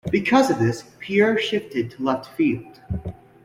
Because of this, Pierre shifted to left field.